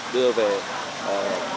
đưa về các cơ quan các tổ chức